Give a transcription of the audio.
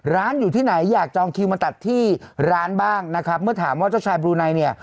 ร้านอยู่ที่ไหนอยากจองคิวมาตัดที่ร้านบ้างนะครับเมื่อถามว่าเจ้าชายบลูไนเนี่ย